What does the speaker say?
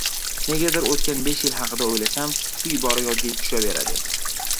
Negadir oʻtgan besh yil haqida oʻylasam, shu ibora yodga tushaveradi.